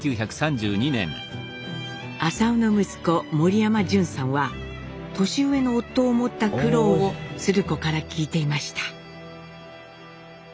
朝雄の息子森山淳さんは年上の夫を持った苦労を鶴子から聞いていました。